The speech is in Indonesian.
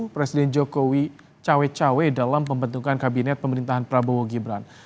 presiden jokowi cawe cawe dalam pembentukan kabinet pemerintahan prabowo gibran